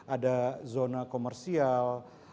ada zona komersial